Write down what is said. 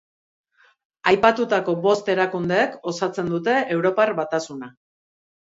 Aipatutako bost erakundeek osatzen dute Europar Batasuna.